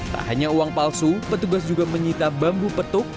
tak hanya uang palsu petugas juga menyita bambu petuk